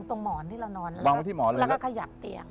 ตรงหมอนที่เรานอนแล้วก็ขยับเตียง